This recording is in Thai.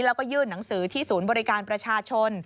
แล้วก็ยื่นหนังสือที่ศูนย์บริการประชาชน